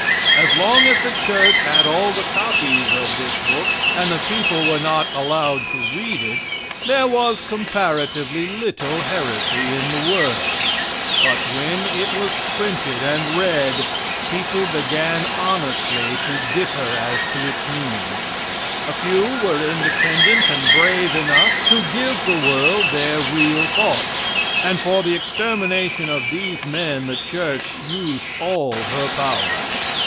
As long as the church had all the copies of this book, and the people were not allowed to read it, there was comparatively little heresy in the world; but when it was printed and read, people began honestly to differ as to its meaning. A few were independent and brave enough to give the world their real thoughts, and for the extermination of these men the church used all her power.